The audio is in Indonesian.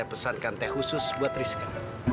pesankan teh khusus buat rizka